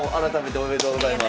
ありがとうございます。